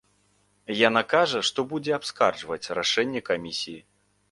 Яна кажа, што будзе абскарджваць рашэнне камісіі.